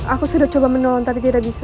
aku sudah coba menolong tapi tidak bisa